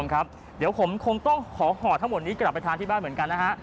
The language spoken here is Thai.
ครับเดี๋ยวผมคงต้องขอห่อทั้งหมดนี้กลับไปทานที่บ้านเหมือนกันนะฮะ